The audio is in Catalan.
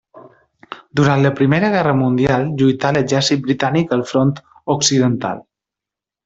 Durant la Primera Guerra Mundial lluità a l'Exèrcit britànic al front occidental.